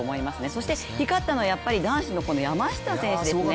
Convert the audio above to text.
そして、光ったのは男子の山下選手ですね。